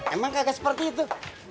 emang kagak seperti itu